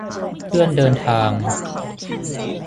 เพื่อนเดินทาง